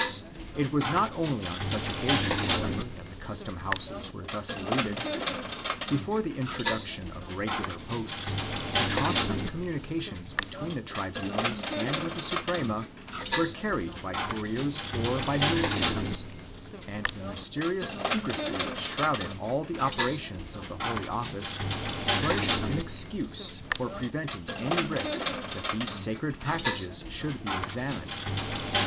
1 It was not only on such occasions, however, that the custom houses were thus eluded. Before the introduction of regular posts, the constant communications between the tribunals and with the Suprema were carried by couriers or by muleteers, and the mysterious secrecy which shrouded all the operations of the Holy Office furnished an excuse for preventing any risk that these sacred packages should be examined.